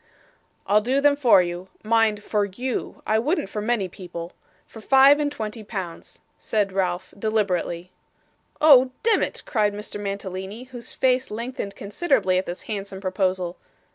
'I'll do them for you mind, for YOU; I wouldn't for many people for five and twenty pounds,' said Ralph, deliberately. 'Oh demmit!' cried Mr. Mantalini, whose face lengthened considerably at this handsome proposal.